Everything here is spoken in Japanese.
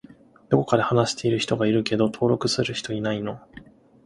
どこかで話している人がいるけど登録する人いないの？